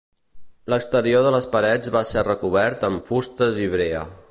L'exterior de les parets va ser recobert amb fustes i brea.